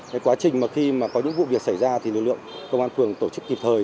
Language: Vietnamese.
cái quá trình mà khi mà có những vụ việc xảy ra thì lực lượng công an phường tổ chức kịp thời